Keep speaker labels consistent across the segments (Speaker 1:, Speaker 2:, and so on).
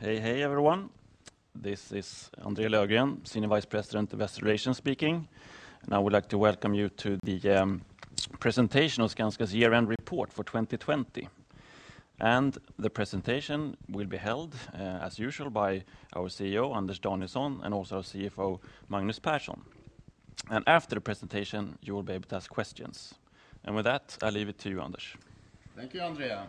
Speaker 1: Hey, everyone. This is André Löfgren, Senior Vice President Investor Relations speaking, I would like to welcome you to the presentation of Skanska's year-end report for 2020. The presentation will be held, as usual, by our CEO, Anders Danielsson, also our CFO, Magnus Persson. After the presentation, you will be able to ask questions. With that, I leave it to you, Anders.
Speaker 2: Thank you, André.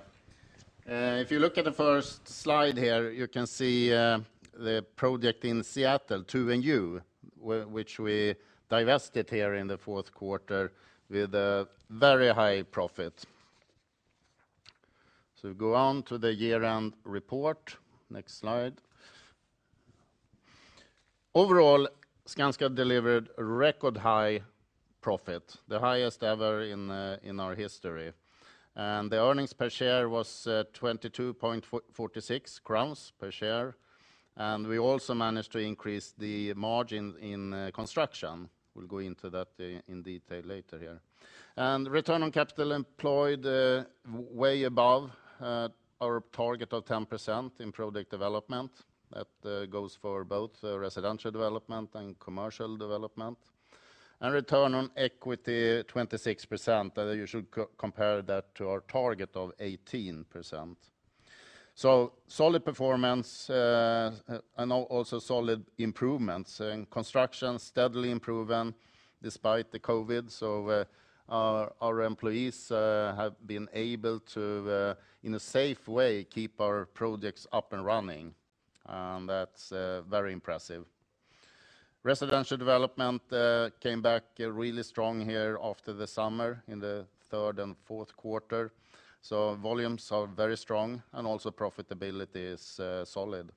Speaker 2: If you look at the first slide here, you can see the project in Seattle, 2&U, which we divested here in the fourth quarter with a very high profit. We go on to the year-end report. Next slide. Overall, Skanska delivered record high profit, the highest ever in our history. The earnings per share was 22.46 crowns per share. We also managed to increase the margin in construction. We'll go into that in detail later here. Return on capital employed way above our target of 10% in project development. That goes for both residential development and commercial development. Return on equity, 26%, you should compare that to our target of 18%. Solid performance, and also solid improvements. In construction, steadily improving despite the COVID. Our employees have been able to, in a safe way, keep our projects up and running. That's very impressive. Residential development came back really strong here after the summer in the third and fourth quarter. Volumes are very strong and also profitability is solid.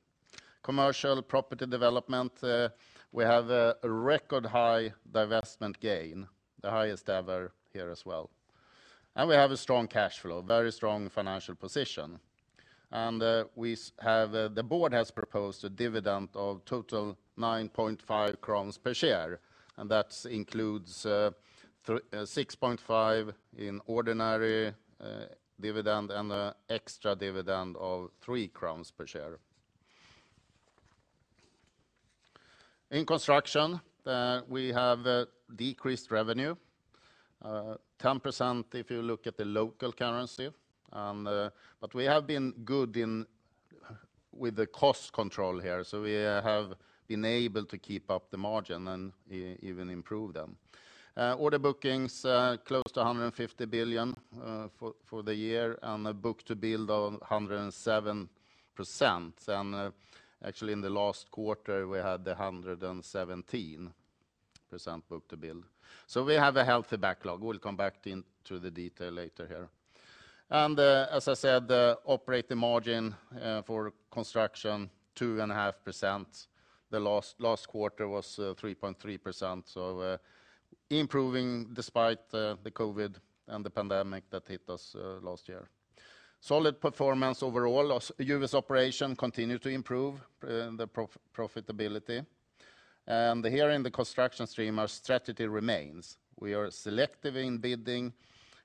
Speaker 2: Commercial property development, we have a record high divestment gain, the highest ever here as well. We have a strong cash flow, very strong financial position. The board has proposed a dividend of total 9.5 crowns per share, and that includes 6.5 in ordinary dividend and an extra dividend of 3 crowns per share. In Construction, we have decreased revenue, 10% if you look at the local currency. We have been good with the cost control here. We have been able to keep up the margin and even improve them. Order bookings, close to 150 billion for the year, a book-to-bill of 107%. Actually in the last quarter, we had 117% book-to-bill. We have a healthy backlog. We'll come back into the detail later here. As I said, operating margin for construction, 2.5%. The last quarter was 3.3%, so improving despite the COVID and the pandemic that hit us last year. Solid performance overall. U.S. operation continued to improve the profitability. Here in the construction stream, our strategy remains. We are selective in bidding.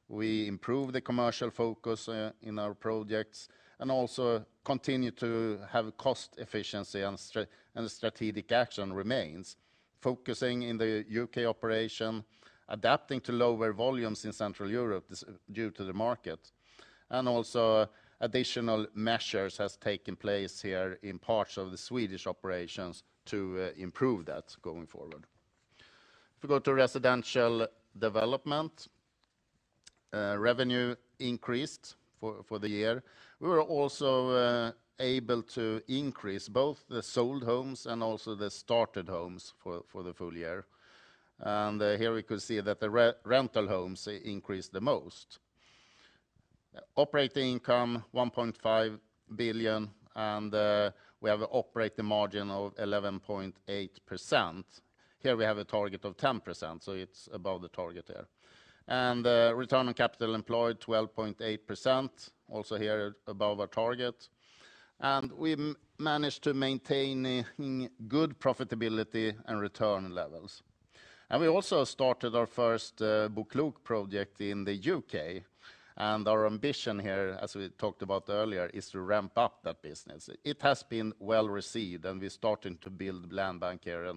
Speaker 2: We improve the commercial focus in our projects and also continue to have cost efficiency and strategic action remains. Focusing in the U.K. operation, adapting to lower volumes in Central Europe due to the market, and also additional measures has taken place here in parts of the Swedish operations to improve that going forward. If we go to Residential Development, revenue increased for the year. We were also able to increase both the sold homes and also the started homes for the full year. Here we could see that the rental homes increased the most. Operating income 1.5 billion, we have an operating margin of 11.8%. Here we have a target of 10%, it's above the target there. Return on capital employed, 12.8%, also here above our target. We managed to maintain good profitability and return levels. We also started our first BoKlok project in the U.K. Our ambition here, as we talked about earlier, is to ramp up that business. It has been well-received, we're starting to build land bank here,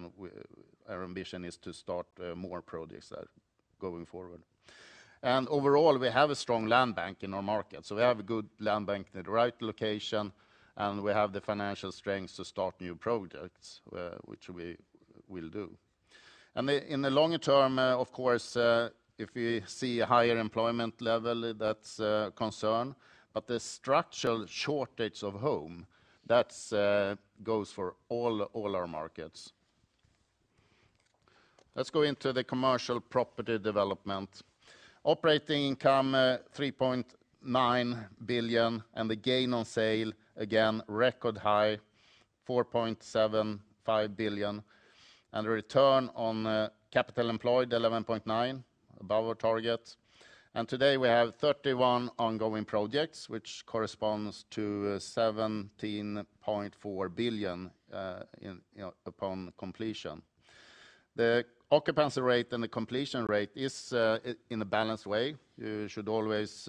Speaker 2: our ambition is to start more projects there going forward. Overall, we have a strong land bank in our market. We have a good land bank in the right location, and we have the financial strength to start new projects, which we will do. In the longer term, of course, if we see a higher employment level, that's a concern. The structural shortage of home, that goes for all our markets. Let's go into the Commercial Property Development. Operating income, 3.9 billion, and the gain on sale, again, record high, 4.75 billion. The return on capital employed, 11.9%, above our target. Today we have 31 ongoing projects, which corresponds to 17.4 billion upon completion. The occupancy rate and the completion rate is in a balanced way. You should always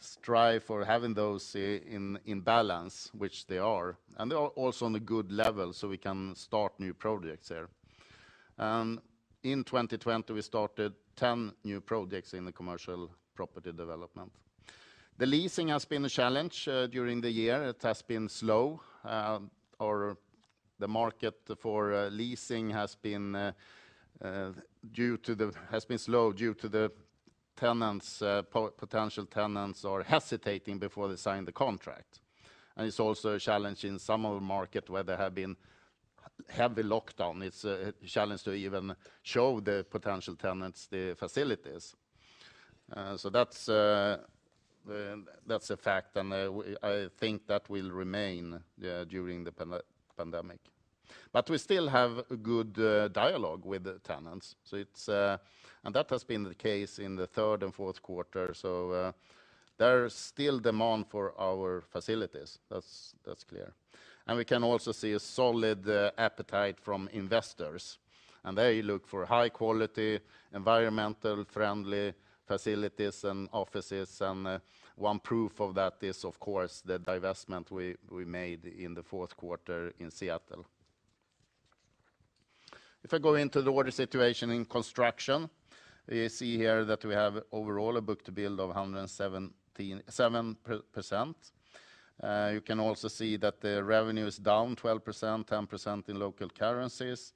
Speaker 2: strive for having those in balance, which they are. They are also on a good level, so we can start new projects there. In 2020, we started 10 new projects in the Commercial Property Development. The leasing has been a challenge during the year. It has been slow. The market for leasing has been slow due to potential tenants hesitating before they sign the contract. It's also a challenge in some of the market where there have been heavy lockdown. It's a challenge to even show the potential tenants the facilities. That's a fact, and I think that will remain during the pandemic. We still have a good dialogue with the tenants. That has been the case in the third and fourth quarter. There is still demand for our facilities. That's clear. We can also see a solid appetite from investors. They look for high-quality, environmental-friendly facilities and offices. One proof of that is, of course, the divestment we made in the fourth quarter in Seattle. If I go into the order situation in Construction, you see here that we have overall a book-to-bill of 117%. You can also see that the revenue is down 12%, 10% in local currencies,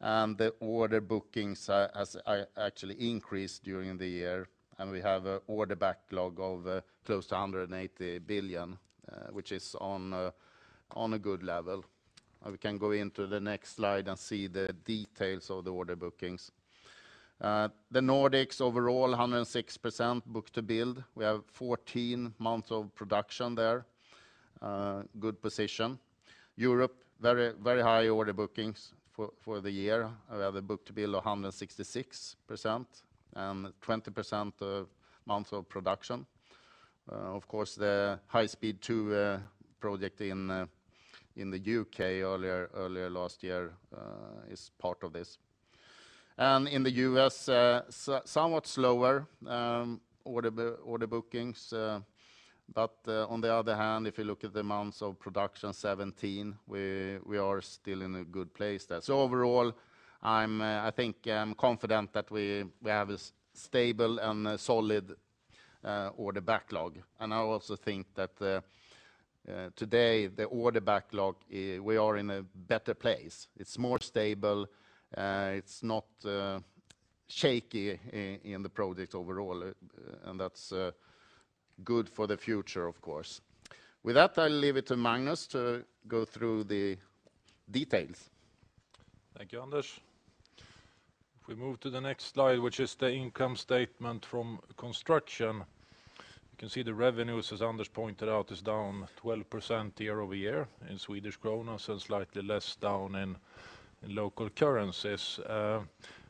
Speaker 2: and the order bookings have actually increased during the year. We have an order backlog of close to 180 billion, which is on a good level. We can go into the next slide and see the details of the order bookings. The Nordics overall, 106% book-to-bill. We have 14 months of production there. Good position. Europe, very high order bookings for the year. We have a book-to-bill of 166% and 20 months of production. Of course, the High Speed 2 project in the U.K. earlier last year is part of this. In the U.S., somewhat slower order bookings. On the other hand, if you look at the months of production, 17, we are still in a good place there. Overall, I think I'm confident that we have a stable and solid order backlog. I also think that today, the order backlog, we are in a better place. It's more stable. It's not shaky in the project overall, and that's good for the future, of course. With that, I'll leave it to Magnus to go through the details.
Speaker 3: Thank you, Anders. We move to the next slide, which is the income statement from construction, you can see the revenue, as Anders pointed out, is down 12% year-over-year in SEK, slightly less down in local currencies.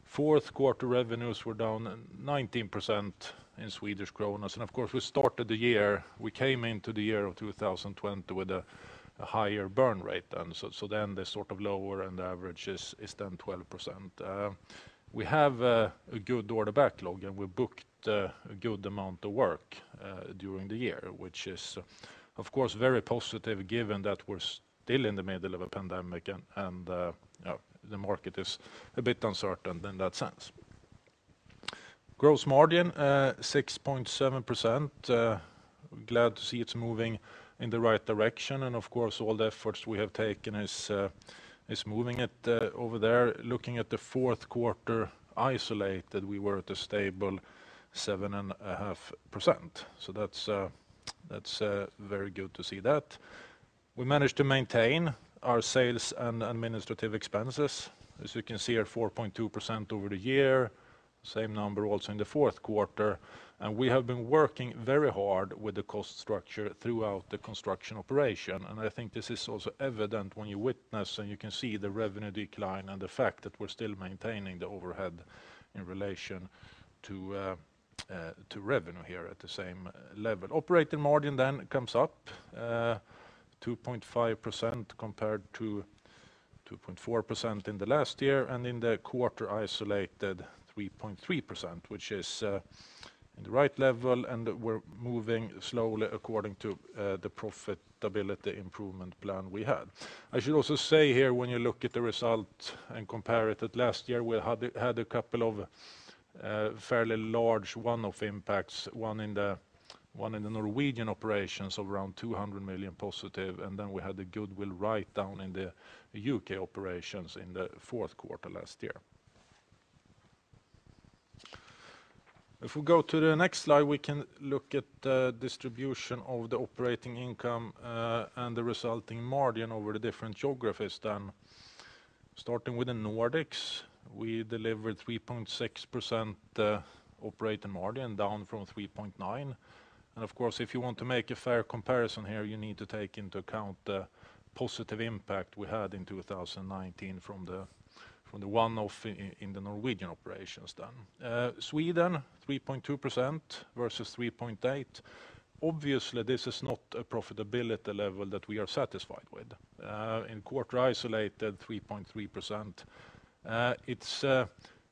Speaker 3: fourth quarter revenues were down 19% in SEK. Of course, we started the year, we came into the year of 2020 with a higher burn rate then. The sort of lower end average is then 12%. We have a good order backlog, and we booked a good amount of work during the year, which is, of course, very positive given that we're still in the middle of a pandemic, and the market is a bit uncertain in that sense. Gross margin, 6.7%. Glad to see it's moving in the right direction. Of course, all the efforts we have taken is moving it over there. Looking at the fourth quarter isolated, we were at a stable 7.5%. That's very good to see that. We managed to maintain our sales and administrative expenses. As you can see, at 4.2% over the year. Same number also in the fourth quarter. We have been working very hard with the cost structure throughout the construction operation. I think this is also evident when you witness, and you can see the revenue decline and the fact that we're still maintaining the overhead in relation to revenue here at the same level. Operating margin comes up, 2.5% compared to 2.4% in the last year, and in the quarter isolated, 3.3%, which is in the right level, and we're moving slowly according to the profitability improvement plan we had. I should also say here, when you look at the result and compare it at last year, we had a couple of fairly large one-off impacts, one in the Norwegian operations of around 200+ million, and then we had the goodwill write-down in the U.K. operations in the fourth quarter last year. If we go to the next slide, we can look at the distribution of the operating income and the resulting margin over the different geographies then. Starting with the Nordics, we delivered 3.6% operating margin, down from 3.9%. Of course, if you want to make a fair comparison here, you need to take into account the positive impact we had in 2019 from the one-off in the Norwegian operations then. Sweden, 3.2% versus 3.8%. Obviously, this is not a profitability level that we are satisfied with. In quarter isolated, 3.3%. It's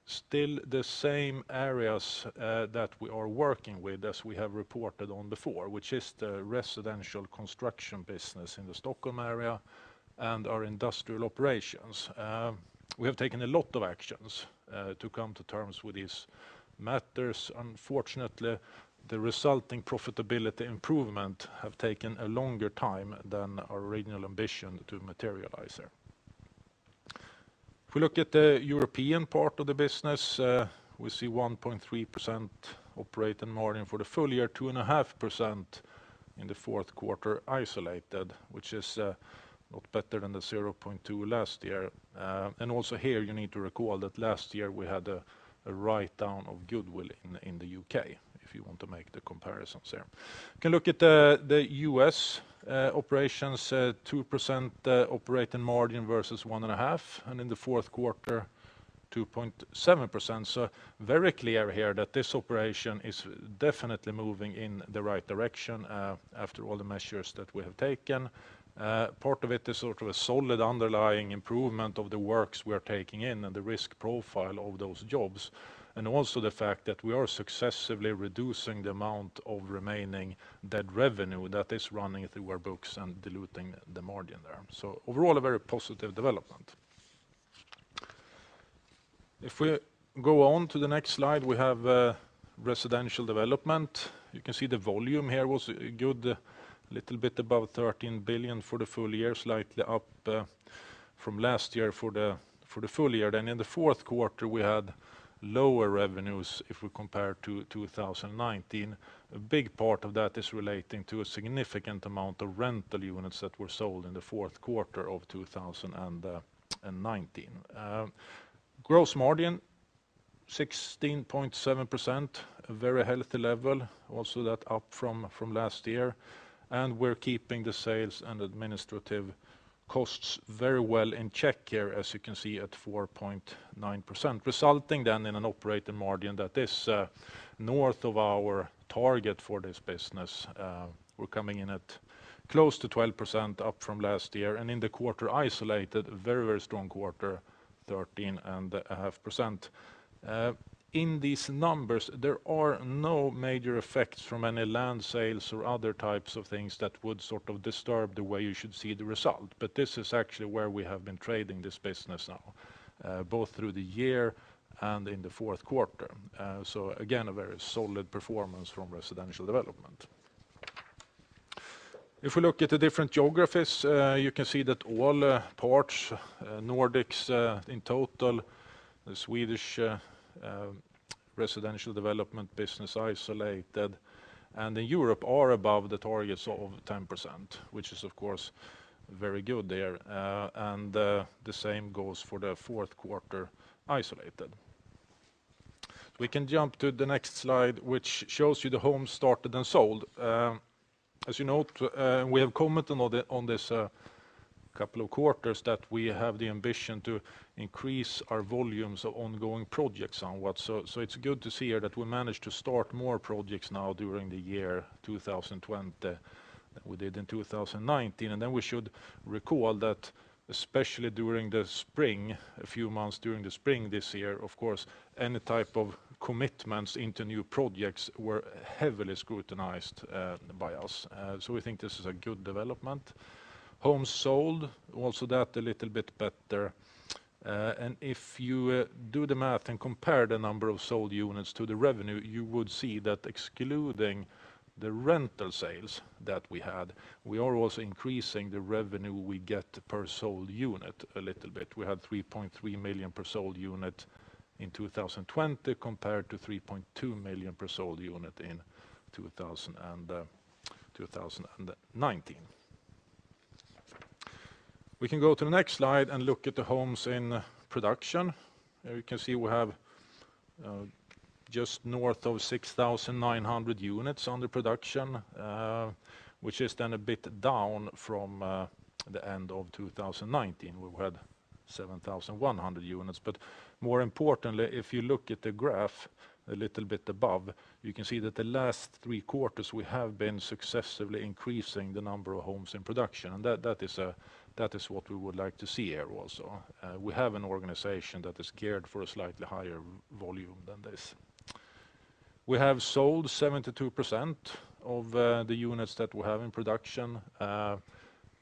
Speaker 3: still the same areas that we are working with as we have reported on before, which is the residential construction business in the Stockholm area and our industrial operations. We have taken a lot of actions to come to terms with these matters. Unfortunately, the resulting profitability improvement have taken a longer time than our original ambition to materialize here. If we look at the European part of the business, we see 1.3% operating margin for the full year, 2.5% in the fourth quarter isolated, which is a lot better than the 0.2% last year. Also here you need to recall that last year we had a write-down of goodwill in the U.K. if you want to make the comparisons there. You can look at the U.S. operations, 2% operating margin versus 1.5%, and in the fourth quarter, 2.7%. Very clear here that this operation is definitely moving in the right direction after all the measures that we have taken. Part of it is sort of a solid underlying improvement of the works we're taking in and the risk profile of those jobs, and also the fact that we are successively reducing the amount of remaining legacy revenue that is running through our books and diluting the margin there. Overall, a very positive development. If we go on to the next slide, we have residential development. You can see the volume here was good, a little bit above 13 billion for the full year, slightly up from last year for the full year. In the fourth quarter, we had lower revenues if we compare to 2019. A big part of that is relating to a significant amount of rental units that were sold in the fourth quarter of 2019. Gross margin, 16.7%, a very healthy level. Also that up from last year. We're keeping the sales and administrative costs very well in check here, as you can see, at 4.9%, resulting then in an operating margin that is north of our target for this business. We're coming in at close to 12% up from last year. In the quarter isolated, a very strong quarter, 13.5%. In these numbers, there are no major effects from any land sales or other types of things that would sort of disturb the way you should see the result. This is actually where we have been trading this business now, both through the year and in the fourth quarter. Again, a very solid performance from Residential Development. If we look at the different geographies, you can see that all parts, Nordics in total, the Swedish Residential Development business isolated, and in Europe are above the targets of 10%, which is of course very good there. The same goes for the fourth quarter isolated. We can jump to the next slide, which shows you the homes started and sold. As you note, we have commented on this a couple of quarters that we have the ambition to increase our volumes of ongoing projects somewhat. It's good to see here that we managed to start more projects now during the year 2020 than we did in 2019. We should recall that especially during the spring, a few months during the spring this year, of course, any type of commitments into new projects were heavily scrutinized by us. We think this is a good development. Homes sold, also that a little bit better. If you do the math and compare the number of sold units to the revenue, you would see that excluding the rental sales that we had, we are also increasing the revenue we get per sold unit a little bit. We had 3.3 million per sold unit in 2020 compared to 3.2 million per sold unit in 2019. We can go to the next slide and look at the homes in production. You can see we have just north of 6,900 units under production, which is then a bit down from the end of 2019. We had 7,100 units. More importantly, if you look at the graph a little bit above, you can see that the last three quarters we have been successively increasing the number of homes in production. That is what we would like to see here also. We have an organization that is geared for a slightly higher volume than this. We have sold 72% of the units that we have in production.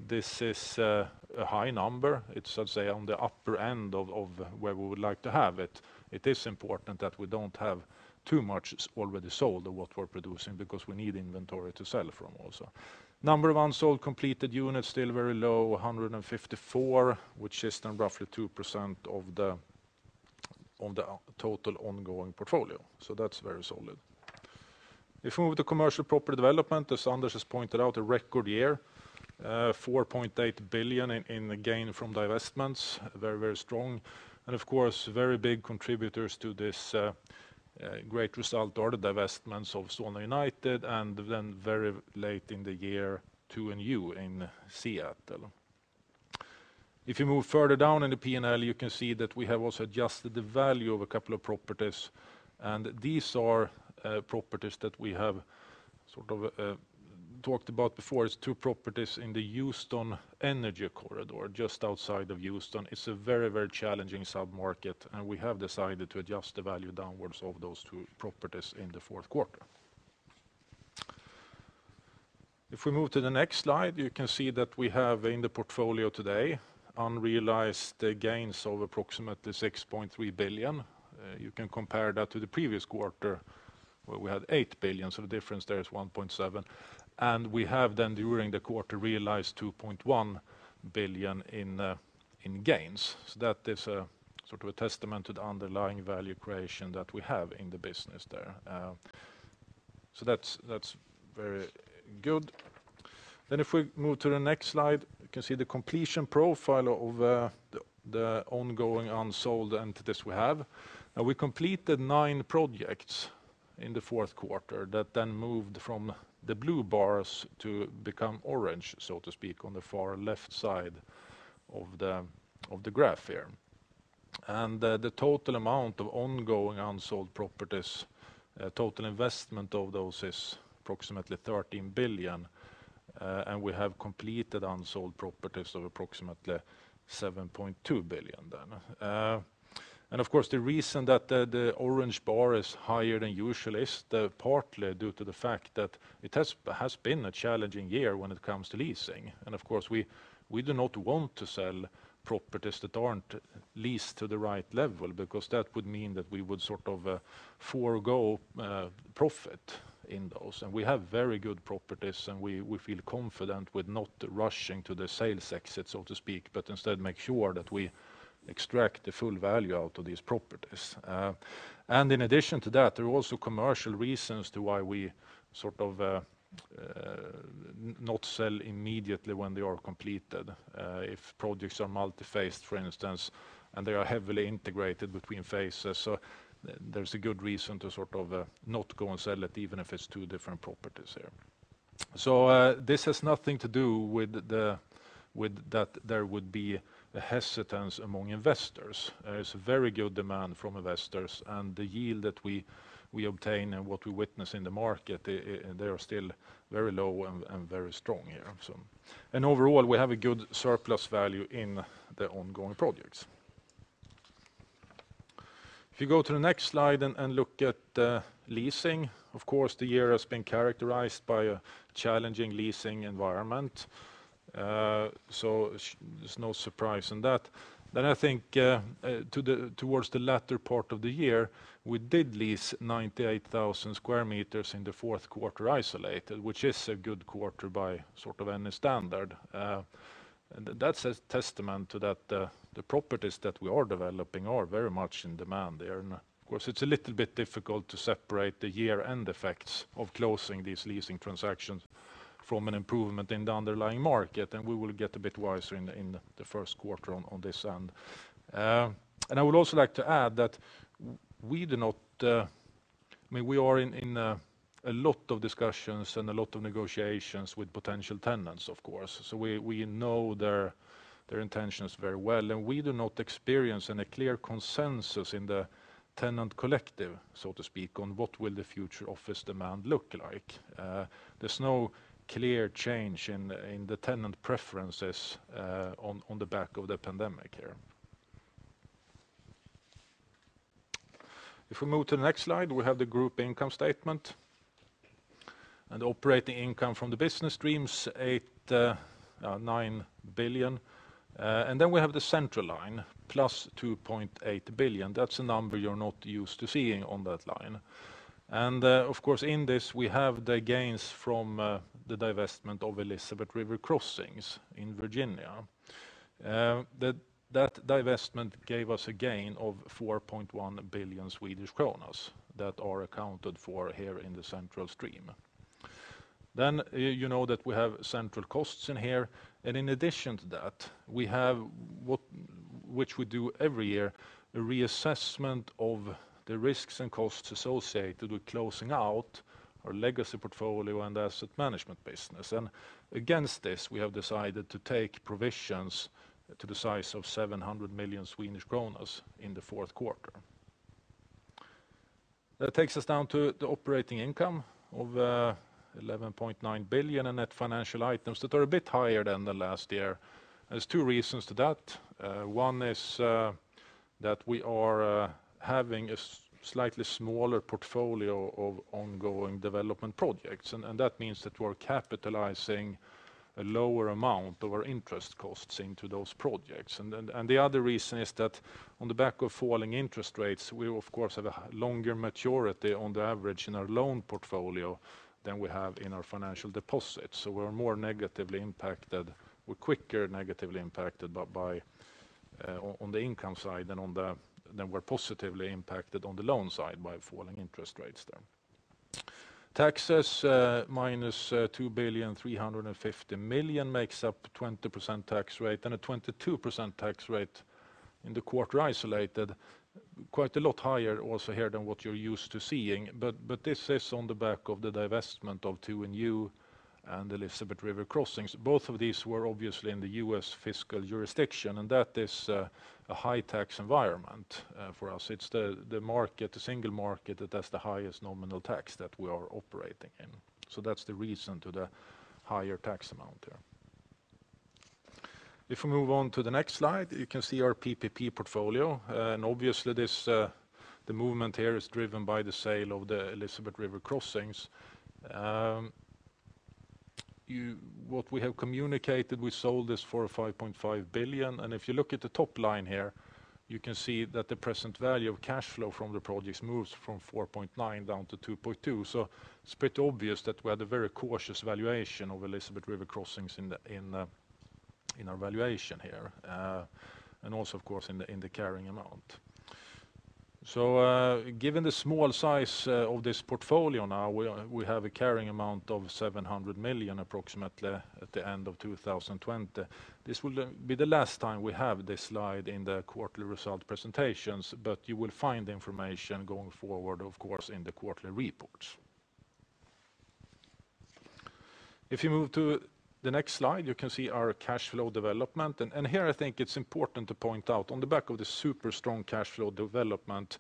Speaker 3: This is a high number. It's, I'd say, on the upper end of where we would like to have it. It is important that we don't have too much already sold of what we're producing because we need inventory to sell from also. Number of unsold completed units, still very low, 154, which is then roughly 2% of the total ongoing portfolio. That's very solid. If we move to commercial property development, as Anders has pointed out, a record year. 4.8 billion in gain from divestments. Very, very strong. Of course, very big contributors to this great result are the divestments of Solna United, then very late in the year, 2&U in Seattle. If you move further down in the P&L, you can see that we have also adjusted the value of a couple of properties. These are properties that we have talked about before. It's two properties in the Houston energy corridor, just outside of Houston. It's a very challenging sub-market. We have decided to adjust the value downwards of those two properties in the fourth quarter. If we move to the next slide, you can see that we have in the portfolio today unrealized gains of approximately 6.3 billion. You can compare that to the previous quarter, where we had 8 billion. The difference there is 1.7 billion. We have then, during the quarter, realized 2.1 billion in gains. That is a testament to the underlying value creation that we have in the business there. That's very good. If we move to the next slide, you can see the completion profile of the ongoing unsold entities we have. We completed nine projects in the fourth quarter that then moved from the blue bars to become orange, so to speak, on the far left side of the graph here. The total amount of ongoing unsold properties, total investment of those is approximately 13 billion, and we have completed unsold properties of approximately 7.2 billion then. Of course, the reason that the orange bar is higher than usual is partly due to the fact that it has been a challenging year when it comes to leasing. Of course, we do not want to sell properties that aren't leased to the right level because that would mean that we would forgo profit in those. We have very good properties, and we feel confident with not rushing to the sales exit, so to speak, but instead make sure that we extract the full value out of these properties. In addition to that, there are also commercial reasons to why we not sell immediately when they are completed. If projects are multi-phased, for instance, and they are heavily integrated between phases, so there's a good reason to not go and sell it, even if it's two different properties there. This has nothing to do with that there would be a hesitance among investors. There is a very good demand from investors, and the yield that we obtain and what we witness in the market, they are still very low and very strong here. Overall, we have a good surplus value in the ongoing projects. If you go to the next slide and look at leasing, of course, the year has been characterized by a challenging leasing environment. There's no surprise in that. I think towards the latter part of the year, we did lease 98,000 sq m in the fourth quarter isolated, which is a good quarter by any standard. That's a testament to that the properties that we are developing are very much in demand there. Of course, it's a little bit difficult to separate the year-end effects of closing these leasing transactions from an improvement in the underlying market, and we will get a bit wiser in the first quarter on this end. I would also like to add that we are in a lot of discussions and a lot of negotiations with potential tenants, of course. We know their intentions very well, and we do not experience any clear consensus in the tenant collective, so to speak, on what will the future office demand look like. There's no clear change in the tenant preferences on the back of the pandemic here. If we move to the next slide, we have the group income statement. Operating income from the business streams, 9 billion. We have the central line, plus 2.8 billion. That's a number you're not used to seeing on that line. Of course, in this, we have the gains from the divestment of Elizabeth River Crossings in Virginia. That divestment gave us a gain of 4.1 billion that are accounted for here in the central stream. You know that we have central costs in here. In addition to that, we have, which we do every year, a reassessment of the risks and costs associated with closing out our legacy portfolio and asset management business. Against this, we have decided to take provisions to the size of 700 million Swedish kronor in the fourth quarter. That takes us down to the operating income of 11.9 billion in net financial items that are a bit higher than the last year. There's two reasons to that. One is that we are having a slightly smaller portfolio of ongoing development projects, and that means that we're capitalizing a lower amount of our interest costs into those projects. The other reason is that on the back of falling interest rates, we of course have a longer maturity on the average in our loan portfolio than we have in our financial deposits. We're more negatively impacted. We're quicker negatively impacted on the income side than we're positively impacted on the loan side by falling interest rates there. Taxes minus 2.35 billion makes up 20% tax rate, and a 22% tax rate in the quarter isolated. Quite a lot higher also here than what you're used to seeing, but this is on the back of the divestment of 2&U and the Elizabeth River Crossings. Both of these were obviously in the U.S. fiscal jurisdiction. That is a high tax environment for us. It's the single market that has the highest nominal tax that we are operating in. That's the reason to the higher tax amount there. If we move on to the next slide, you can see our PPP portfolio. Obviously, the movement here is driven by the sale of the Elizabeth River Crossings. What we have communicated, we sold this for 5.5 billion. If you look at the top line here, you can see that the present value of cash flow from the projects moves from 4.9 billion down to 2.2 billion. It's pretty obvious that we had a very cautious valuation of Elizabeth River Crossings in our valuation here. Also, of course, in the carrying amount. Given the small size of this portfolio now, we have a carrying amount of 700 million approximately at the end of 2020. This will be the last time we have this slide in the quarterly result presentations, but you will find the information going forward, of course, in the quarterly reports. If you move to the next slide, you can see our cash flow development. Here I think it's important to point out, on the back of the super strong cash flow development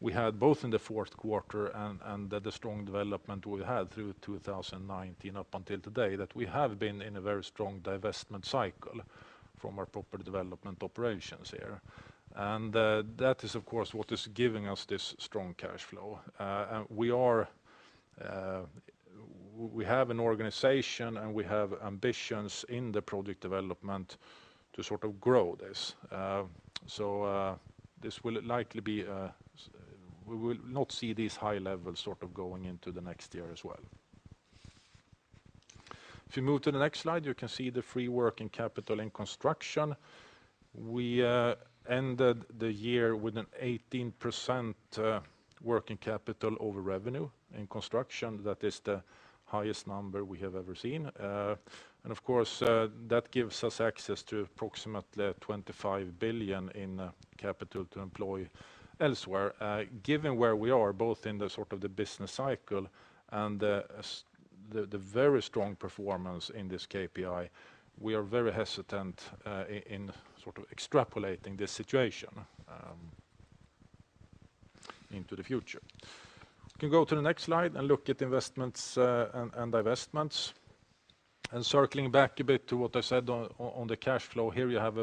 Speaker 3: we had both in the fourth quarter and the strong development we had through 2019 up until today, that we have been in a very strong divestment cycle from our property development operations here. That is, of course, what is giving us this strong cash flow. We have an organization, and we have ambitions in the project development to sort of grow this. We will not see these high levels going into the next year as well. If you move to the next slide, you can see the free working capital in construction. We ended the year with an 18% working capital over revenue in construction. That is the highest number we have ever seen. Of course, that gives us access to approximately 25 billion in capital to employ elsewhere. Given where we are, both in the business cycle and the very strong performance in this KPI, we are very hesitant in extrapolating this situation into the future. You can go to the next slide and look at investments and divestments. Circling back a bit to what I said on the cash flow, here you have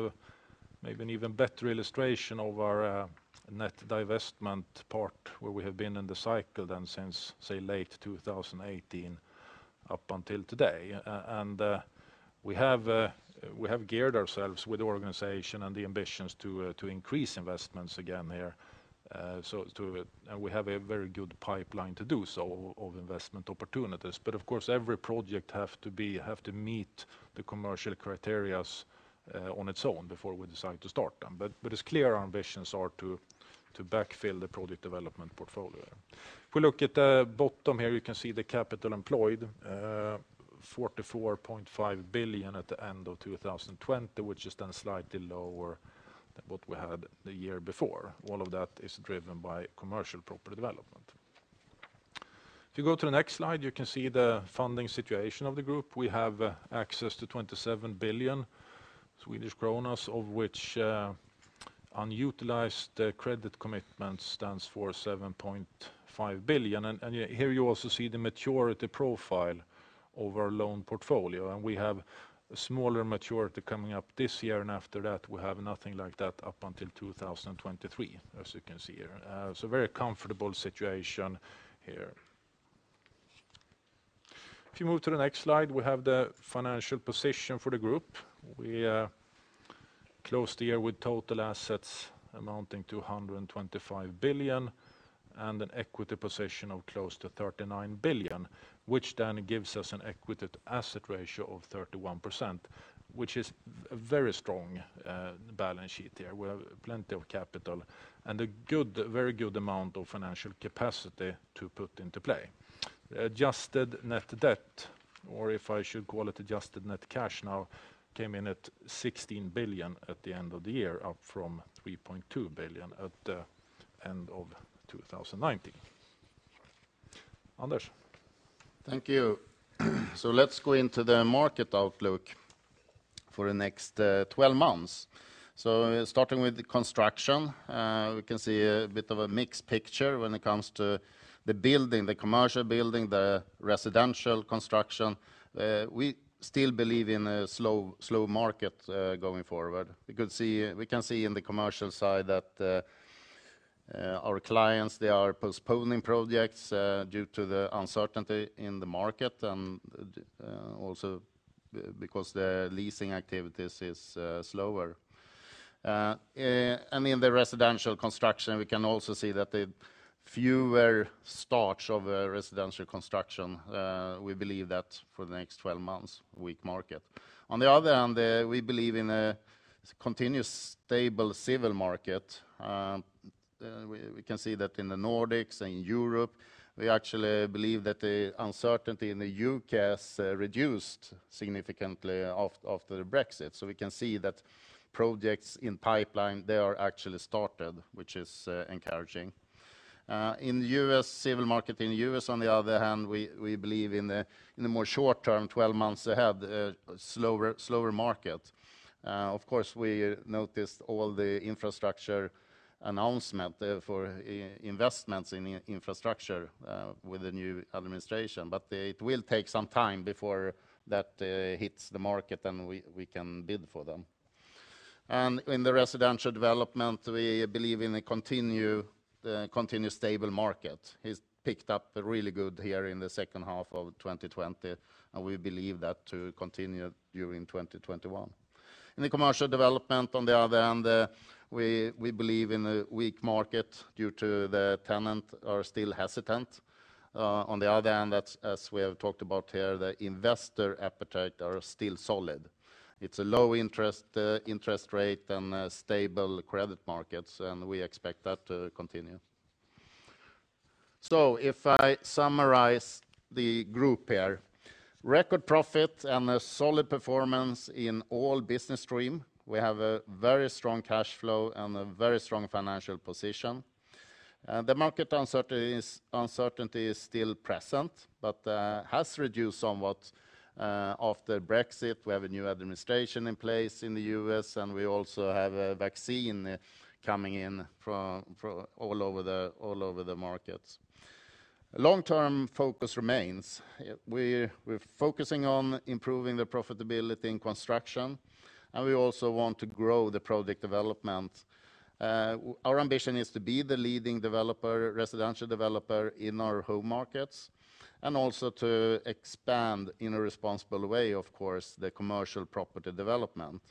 Speaker 3: maybe an even better illustration of our net divestment part, where we have been in the cycle then since, say, late 2018 up until today. We have geared ourselves with the organization and the ambitions to increase investments again here. Of course, every project have to meet the commercial criterias on its own before we decide to start them. It's clear our ambitions are to backfill the project development portfolio. If we look at the bottom here, you can see the capital employed, 44.5 billion at the end of 2020, which is then slightly lower than what we had the year before. All of that is driven by commercial property development. If you go to the next slide, you can see the funding situation of the group. We have access to 27 billion Swedish kronor, of which unutilized credit commitment stands for 7.5 billion. Here you also see the maturity profile of our loan portfolio. We have a smaller maturity coming up this year, and after that, we have nothing like that up until 2023, as you can see here. Very comfortable situation here. If you move to the next slide, we have the financial position for the group. We closed the year with total assets amounting to 125 billion and an equity position of close to 39 billion, which gives us an equity to asset ratio of 31%, which is a very strong balance sheet here. We have plenty of capital and a very good amount of financial capacity to put into play. Adjusted net debt, or if I should call it adjusted net cash now, came in at 16 billion at the end of the year, up from 3.2 billion at the end of 2019. Sorry. Anders?
Speaker 2: Thank you. Let's go into the market outlook for the next 12 months. Starting with the Construction, we can see a bit of a mixed picture when it comes to the building, the commercial building, the residential construction. We still believe in a slow market going forward. We can see in the commercial side that our clients, they are postponing projects due to the uncertainty in the market, and also because the leasing activities is slower. In the residential construction, we can also see that the fewer starts of residential construction. We believe that for the next 12 months, weak market. On the other hand, we believe in a continuous stable civil market. We can see that in the Nordics and Europe, we actually believe that the uncertainty in the U.K. has reduced significantly after Brexit. We can see that projects in pipeline, they are actually started, which is encouraging. In the civil market in the U.S., on the other hand, we believe in the more short-term, 12 months ahead, slower market. Of course, we noticed all the infrastructure announcement for investments in infrastructure with the new administration. It will take some time before that hits the market and we can bid for them. In the Residential Development, we believe in a continuous stable market. It's picked up really good here in the second half of 2020, and we believe that to continue during 2021. In the Commercial Development, on the other hand, we believe in a weak market due to the tenant are still hesitant. On the other hand, as we have talked about here, the investor appetite are still solid. It's a low interest rate and stable credit markets, and we expect that to continue. If I summarize the group here. Record profit and a solid performance in all business streams. We have a very strong cash flow and a very strong financial position. The market uncertainty is still present, but has reduced somewhat after Brexit. We have a new administration in place in the U.S., and we also have a vaccine coming in from all over the markets. Long-term focus remains. We're focusing on improving the profitability in construction, and we also want to grow the project development. Our ambition is to be the leading residential developer in our home markets, and also to expand in a responsible way, of course, the Commercial Property Development.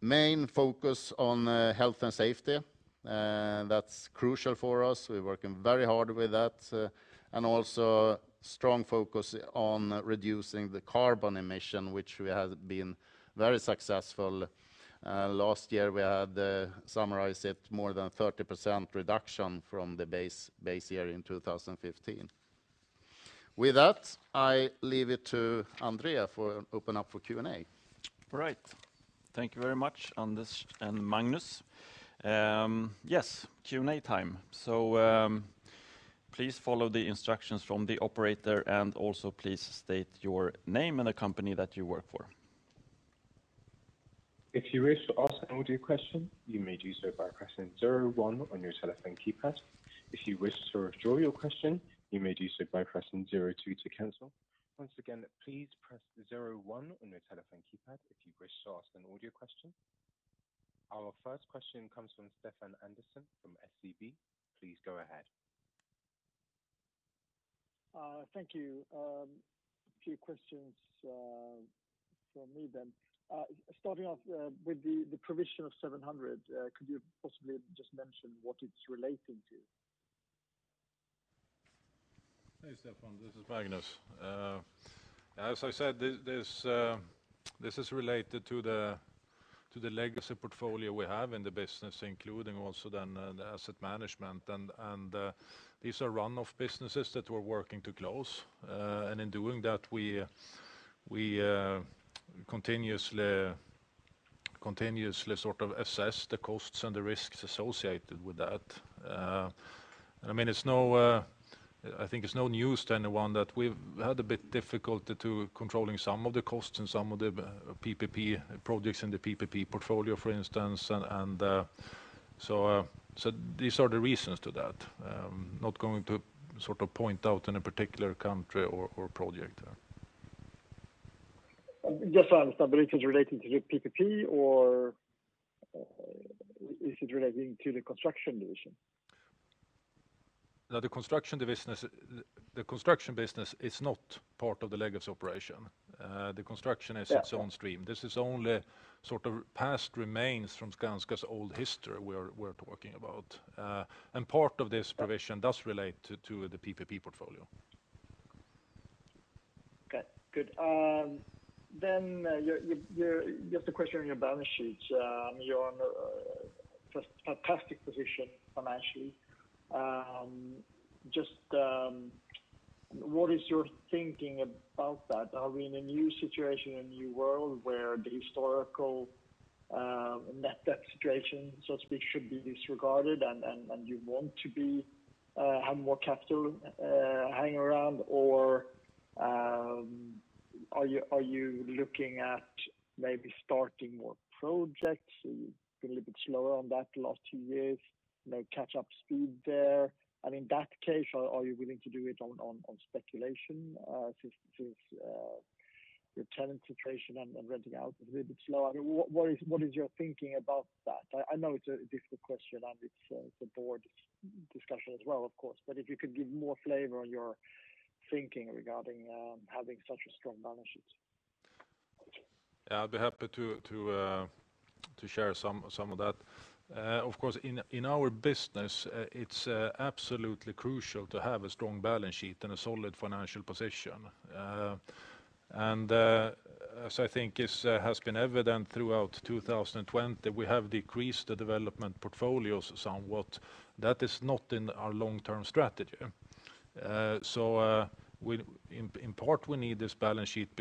Speaker 2: Main focus on health and safety. That's crucial for us. We're working very hard with that. Also strong focus on reducing the carbon emission, which we have been very successful. Last year, we had summarized it more than 30% reduction from the base year in 2015. With that, I leave it to André for open up for Q&A.
Speaker 1: All right. Thank you very much, Anders and Magnus. Yes, Q&A time. Please follow the instructions from the operator, and also please state your name and the company that you work for.
Speaker 4: Our first question comes from Stefan Andersson from SEB. Please go ahead.
Speaker 5: Thank you. A few questions from me then. Starting off with the provision of 700, could you possibly just mention what it's relating to?
Speaker 3: Hey, Stefan, this is Magnus. As I said, this is related to the legacy portfolio we have in the business, including also then the asset management. These are run-off businesses that we're working to close. In doing that, we continuously sort of assess the costs and the risks associated with that. I think it's no news to anyone that we've had a bit difficulty to controlling some of the costs and some of the projects in the PPP portfolio, for instance. These are the reasons to that. I'm not going to sort of point out any particular country or project.
Speaker 5: Just so I understand, it is relating to the PPP, or is it relating to the construction division?
Speaker 3: No, the construction business is not part of the legacy operation. The construction is its own stream. This is only sort of past remains from Skanska's old history we're talking about. Part of this provision does relate to the PPP portfolio.
Speaker 5: Okay, good. Just a question on your balance sheets. You're on a fantastic position financially. Just what is your thinking about that? Are we in a new situation, a new world where the historical net debt situation, so to speak, should be disregarded and you want to have more capital hanging around? Are you looking at maybe starting more projects? You've been a little bit slower on that the last two years. Maybe catch up speed there. In that case, are you willing to do it on speculation since your tenant situation and renting out is a little bit slow? I mean, what is your thinking about that? I know it's a difficult question, and it's the board's discussion as well, of course. If you could give more flavor on your thinking regarding having such a strong balance sheet.
Speaker 3: Yeah, I'd be happy to share some of that. Of course, in our business, it's absolutely crucial to have a strong balance sheet and a solid financial position. As I think has been evident throughout 2020, we have decreased the development portfolios somewhat. That is not in our long-term strategy. In part, we need this balance sheet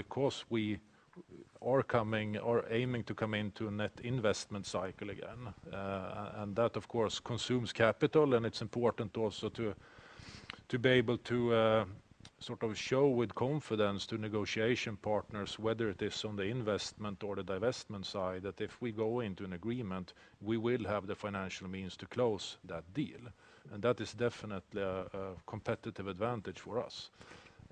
Speaker 3: because we are aiming to come into a net investment cycle again. That, of course, consumes capital, and it's important also to be able to show with confidence to negotiation partners, whether it is on the investment or the divestment side, that if we go into an agreement, we will have the financial means to close that deal. That is definitely a competitive advantage for us.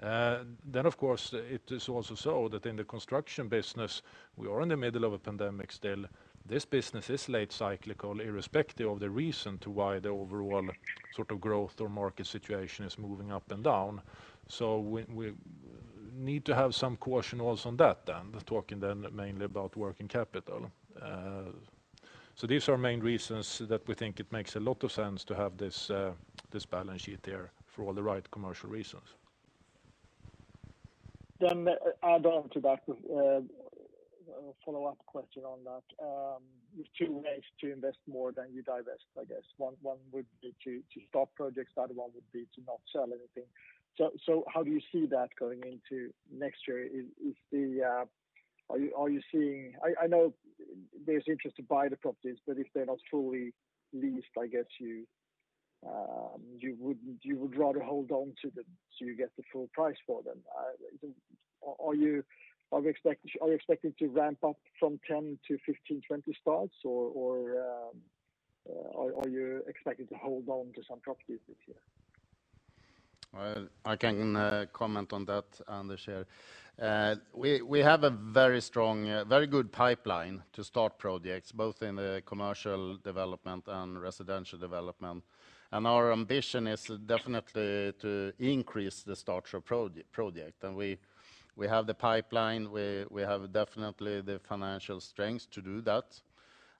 Speaker 3: Of course, it is also so that in the Construction business, we are in the middle of a pandemic still. This business is late cyclical, irrespective of the reason to why the overall growth or market situation is moving up and down. We need to have some caution also on that then, talking then mainly about working capital. These are our main reasons that we think it makes a lot of sense to have this balance sheet there for all the right commercial reasons.
Speaker 5: Add on to that, a follow-up question on that. There's two ways to invest more than you divest, I guess. One would be to stop projects, the other one would be to not sell anything. How do you see that going into next year? I know there's interest to buy the properties, but if they're not fully leased, I guess you would rather hold on to them so you get the full price for them. Are you expecting to ramp up from 10 to 15, 20 starts? Are you expecting to hold on to some properties this year?
Speaker 2: I can comment on that, Anders, here. We have a very good pipeline to start projects, both in the commercial development and residential development. Our ambition is definitely to increase the starts of project. We have the pipeline, we have definitely the financial strength to do that.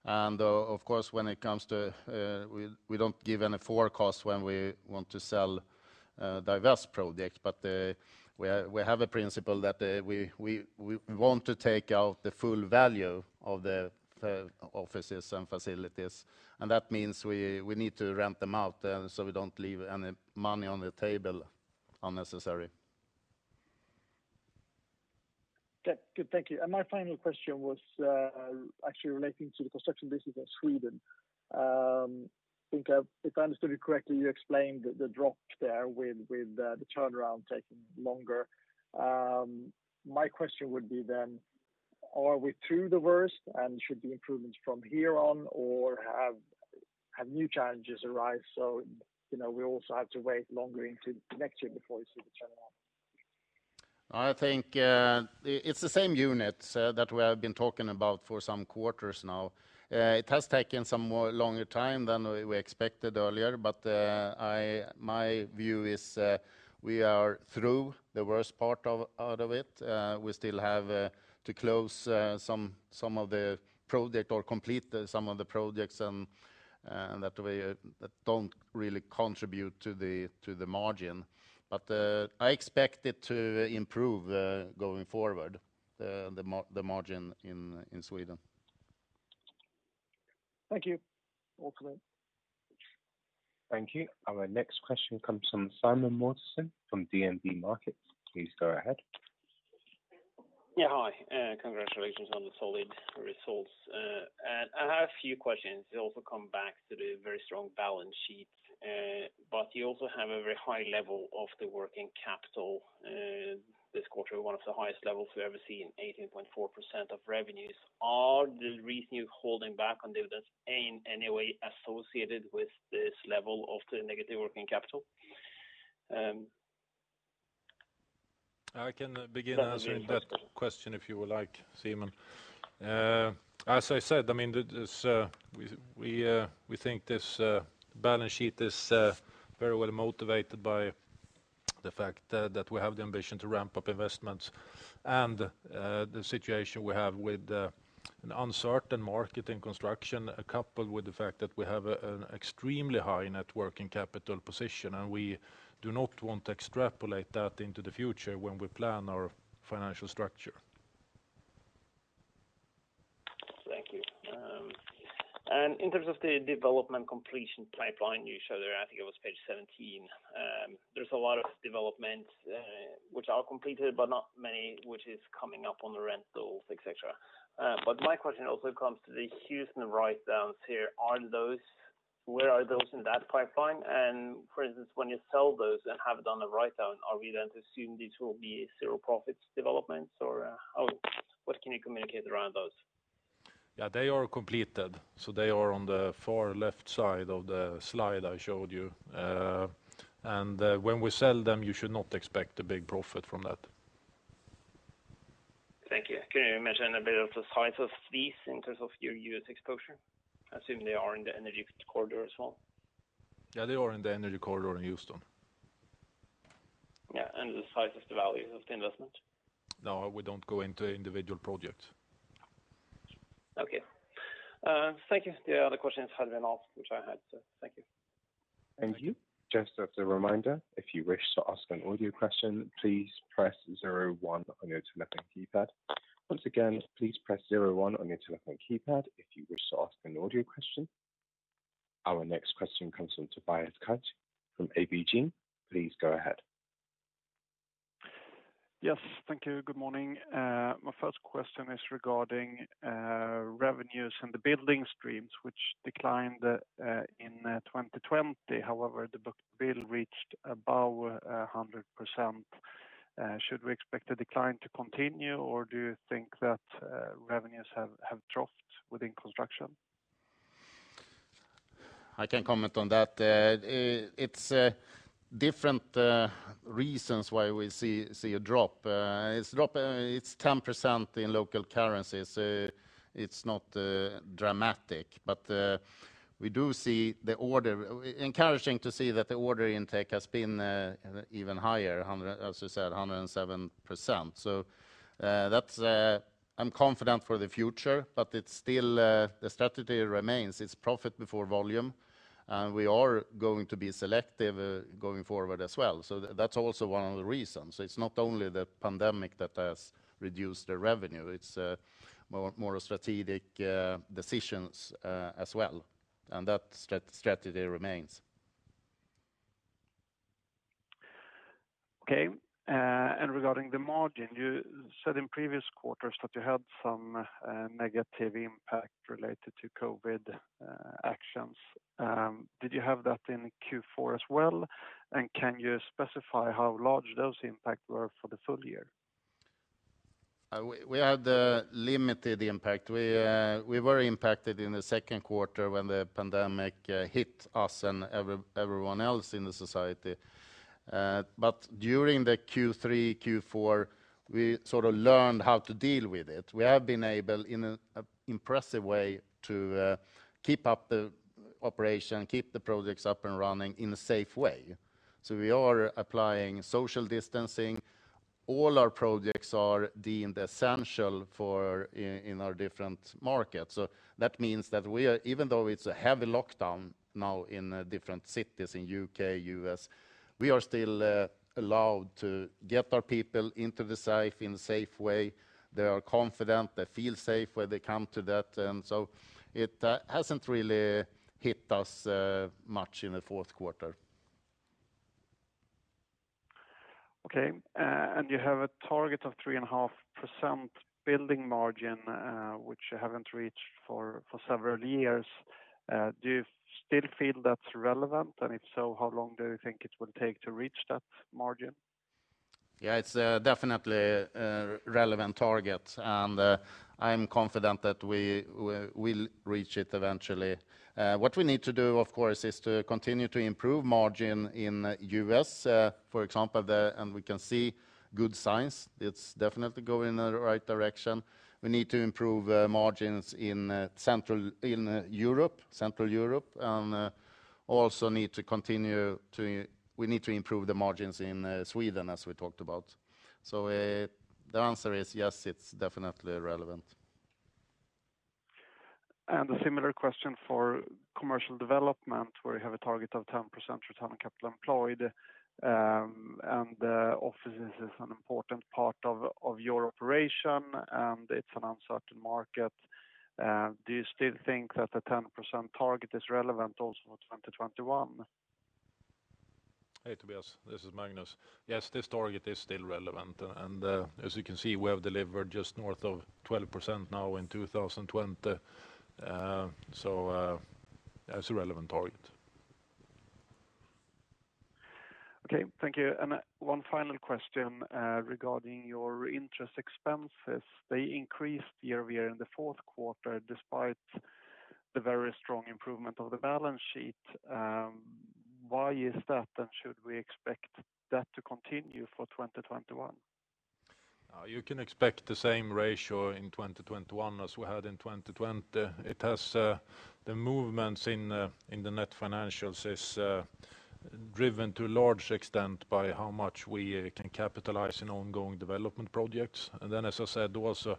Speaker 2: Of course, we don't give any forecast when we want to sell divest projects, but we have a principle that we want to take out the full value of the offices and facilities. That means we need to rent them out so we don't leave any money on the table unnecessary.
Speaker 5: Good. Thank you. My final question was actually relating to the construction business in Sweden. I think if I understood you correctly, you explained the drop there with the turnaround taking longer. My question would be, are we through the worst and should the improvements from here on, or have new challenges arise? We also have to wait longer into next year before you see the turnaround?
Speaker 2: I think it's the same units that we have been talking about for some quarters now. It has taken some more longer time than we expected earlier. My view is we are through the worst part out of it. We still have to close some of the project or complete some of the projects, and that don't really contribute to the margin. I expect it to improve going forward, the margin in Sweden.
Speaker 5: Thank you. Over.
Speaker 4: Thank you. Our next question comes from Simen Mortensen from DNB Markets. Please go ahead.
Speaker 6: Yeah, hi. Congratulations on the solid results. I have a few questions. They also come back to the very strong balance sheet. You also have a very high level of the working capital this quarter, one of the highest levels we've ever seen, 18.4% of revenues. Are the reason you're holding back on dividends in any way associated with this level of the negative working capital?
Speaker 3: I can begin answering that question, if you would like, Simen. As I said, we think this balance sheet is very well motivated by the fact that we have the ambition to ramp up investments. The situation we have with an uncertain market in construction, coupled with the fact that we have an extremely high net working capital position, and we do not want to extrapolate that into the future when we plan our financial structure.
Speaker 6: Thank you. In terms of the development completion pipeline you showed there, I think it was page 17. There's a lot of developments which are completed, but not many which is coming up on the rentals, et cetera. My question also comes to the Houston write-downs here. Where are those in that pipeline? For instance, when you sell those and have done a write-down, are we then to assume these will be zero profits developments? What can you communicate around those?
Speaker 3: Yeah, they are completed. They are on the far left side of the slide I showed you. When we sell them, you should not expect a big profit from that.
Speaker 6: Thank you. Can you mention a bit of the size of these in terms of your U.S. exposure? I assume they are in the energy corridor as well.
Speaker 3: Yeah, they are in the Energy Corridor in Houston.
Speaker 6: Yeah, the size of the value of the investment?
Speaker 3: No, we don't go into individual projects.
Speaker 6: Okay. Thank you. The other questions have been asked, which I had. Thank you.
Speaker 4: Thank you. Just as a reminder, if you wish to ask an audio question, please press zero one on your telephone keypad. Once again, please press zero one on your telephone keypad if you wish to ask an audio question. Our next question comes from Tobias Kaj from ABG. Please go ahead.
Speaker 7: Yes. Thank you. Good morning. My first question is regarding revenues and the business streams, which declined in 2020. The book-to-bill reached above 100%. Should we expect the decline to continue, or do you think that revenues have troughed within construction?
Speaker 2: I can comment on that. It's different reasons why we see a drop. It's 10% in local currencies. It's not dramatic. Encouraging to see that the order intake has been even higher, as you said, 107%. I'm confident for the future, but it's still, the strategy remains, it's profit before volume. We are going to be selective going forward as well. That's also one of the reasons. It's not only the pandemic that has reduced the revenue, it's more strategic decisions as well. That strategy remains.
Speaker 7: Okay. Regarding the margin, you said in previous quarters that you had some negative impact related to COVID actions. Did you have that in Q4 as well? Can you specify how large those impact were for the full year?
Speaker 2: We had a limited impact. We were impacted in the second quarter when the pandemic hit us and everyone else in the society. During the Q3, Q4, we sort of learned how to deal with it. We have been able, in an impressive way, to keep up the operation, keep the projects up and running in a safe way. We are applying social distancing. All our projects are deemed essential in our different markets. That means that we are, even though it's a heavy lockdown now in different cities in U.K., U.S., we are still allowed to get our people into the site in a safe way. They are confident, they feel safe when they come to that, and so it hasn't really hit us much in the fourth quarter.
Speaker 7: Okay. You have a target of 3.5% construction margin, which you haven't reached for several years. Do you still feel that's relevant? If so, how long do you think it will take to reach that margin?
Speaker 2: Yeah, it's definitely a relevant target, and I am confident that we will reach it eventually. What we need to do, of course, is to continue to improve margin in U.S., for example, and we can see good signs. It's definitely going in the right direction. We need to improve margins in Europe, Central Europe. Also we need to improve the margins in Sweden, as we talked about. The answer is yes, it's definitely relevant.
Speaker 7: A similar question for commercial development, where you have a target of 10% return on capital employed, and office is an important part of your operation, and it is an uncertain market. Do you still think that the 10% target is relevant also for 2021?
Speaker 3: Hey, Tobias, this is Magnus. Yes, this target is still relevant, and as you can see, we have delivered just north of 12% now in 2020. That's a relevant target.
Speaker 7: Okay. Thank you. One final question regarding your interest expenses. They increased year-over-year in the fourth quarter, despite the very strong improvement of the balance sheet. Why is that? Should we expect that to continue for 2021?
Speaker 3: You can expect the same ratio in 2021 as we had in 2020. The movements in the net financials is driven to a large extent by how much we can capitalize in ongoing development projects. Then, as I said, also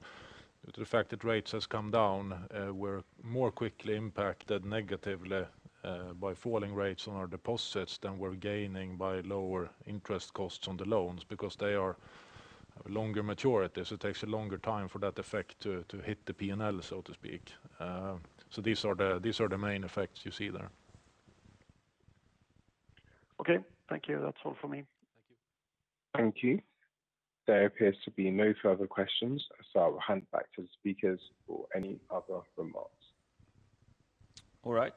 Speaker 3: the fact that rates has come down, we're more quickly impacted negatively by falling rates on our deposits than we're gaining by lower interest costs on the loans, because they are longer maturities. It takes a longer time for that effect to hit the P&L, so to speak. These are the main effects you see there.
Speaker 7: Okay. Thank you. That's all for me.
Speaker 3: Thank you.
Speaker 4: Thank you. There appears to be no further questions. I'll hand back to the speakers for any other remarks.
Speaker 1: All right.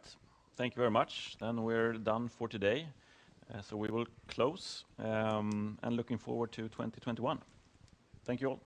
Speaker 1: Thank you very much. We're done for today. We will close, and looking forward to 2021. Thank you all.